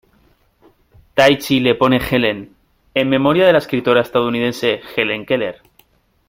Taichi le pone Helen, en memoria de la escritora estadounidense Helen Keller.